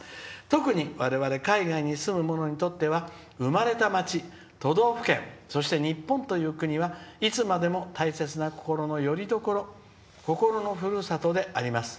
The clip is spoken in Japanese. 特に我々海外に住むものにとっては生まれた町、都道府県そして、日本という国はいつまでも大切な心のよりどころ心のふるさとであります。